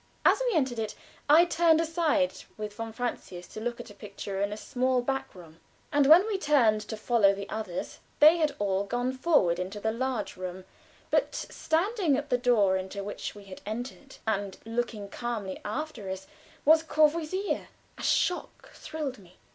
As we entered it I turned aside with von Francius to look at a picture in a small back room, and when we turned to follow the others, they had all gone forward into the large room; but standing at the door by which we had entered, and looking calmly after us, was Courvoisier. A shock thrilled me.